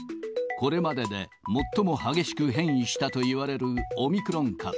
これまでで最も激しく変異したといわれるオミクロン株。